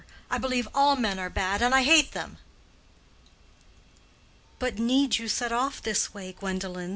I believe all men are bad, and I hate them." "But need you set off in this way, Gwendolen?"